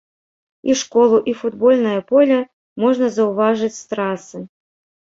І школу, і футбольнае поле можна заўважыць з трасы.